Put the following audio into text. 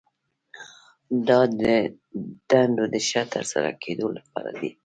دا د دندو د ښه ترسره کیدو لپاره دي.